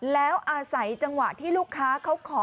แล้วอาศัยจังหวะที่ลูกค้าเขาขอ